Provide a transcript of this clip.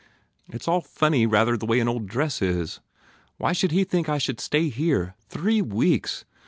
"It s all funny rather the way an old dress is! Why should he think I could stay here? Three weeks